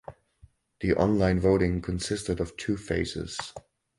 The online voting consisted of two phases.